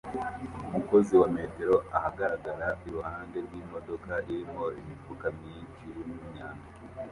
Umukozi wa metero ahagarara iruhande rwimodoka irimo imifuka myinshi yimyanda